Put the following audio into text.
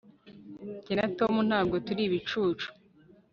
jye na tom ntabwo turi ibicucu